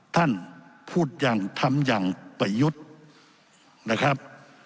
ท่านพูดอย่างทำอย่างไปยุทธศาสตร์นะครับ